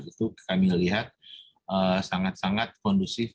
itu kami melihat sangat sangat kondusif